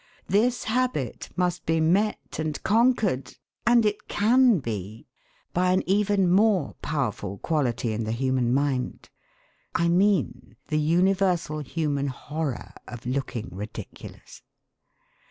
This habit must be met and conquered (and it can be!) by an even more powerful quality in the human mind; I mean the universal human horror of looking ridiculous.